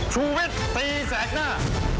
ชุวิตตีแสงหน้า